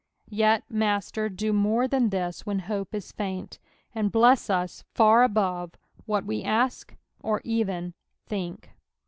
Yet, Master, do more than this when hope ia faint, and blesa ns far above what we ask or even think.